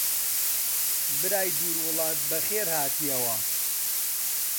برای دوور وڵات بەخێر هاتیەوە!